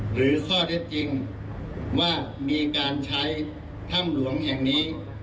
หรือข้อเท็จจริงว่ามีการใช้ถ้ำหลวงแห่งนี้